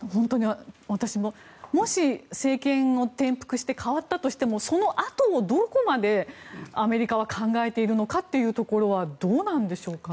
私も、もし政権を転覆して代わったとしても、そのあとをどこまでアメリカは考えているのかというところはどうなんでしょうか。